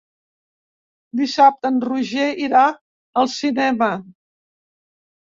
Dissabte en Roger irà al cinema.